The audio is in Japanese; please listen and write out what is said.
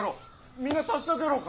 みんな達者じゃろうか。